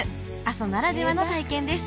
阿蘇ならではの体験です